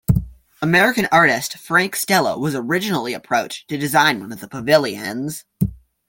American artist Frank Stella was originally approached to design one of the pavilions.